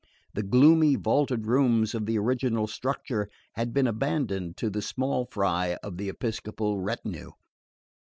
The gloomy vaulted rooms of the original structure had been abandoned to the small fry of the episcopal retinue.